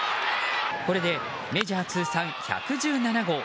これでメジャー通算１１７号。